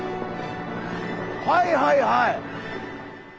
はいはいはい。